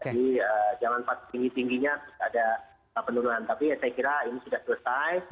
jadi jangan pas tinggi tingginya ada penurunan tapi saya kira ini sudah selesai